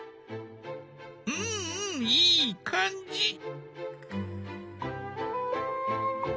うんうんいい感じ。